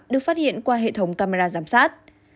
được phát hiện qua hệ thống camera giám sát